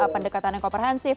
pendekatan yang komprehensif